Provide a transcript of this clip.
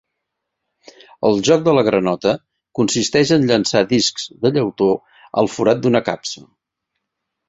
El joc de la granota consisteix en llançar discs de llautó al forat d'una capsa.